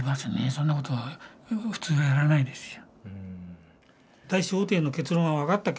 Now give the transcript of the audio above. そんなことは普通はやらないですよ。